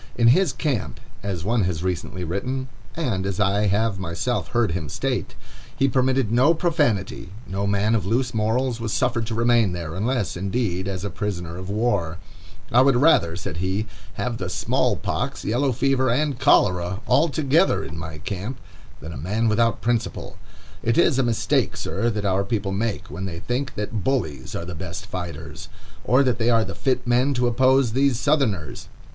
"In his camp," as one has recently written, and as I have myself heard him state, "he permitted no profanity; no man of loose morals was suffered to remain there, unless, indeed, as a prisoner of war. 'I would rather,' said he, 'have the small pox, yellow fever, and cholera, all together in my camp, than a man without principle.... It is a mistake, sir, that our people make, when they think that bullies are the best fighters, or that they are the fit men to oppose these Southerners.